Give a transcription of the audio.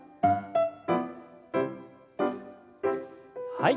はい。